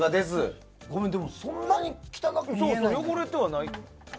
そんなに汚く見えない。